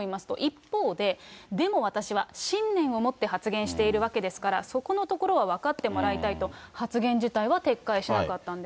一方で、でも私は信念を持って発言しているわけですから、そこのところは分かってもらいたいと、発言自体は撤回しなかったんです。